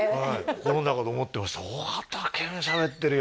心の中で思ってました